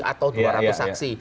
atau dua ratus saksi